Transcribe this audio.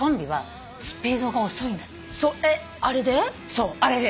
そうあれで。